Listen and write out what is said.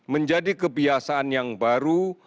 menjadi kebiasaan yang baru